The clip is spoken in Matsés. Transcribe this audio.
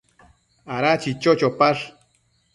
Ada chicho chopash ?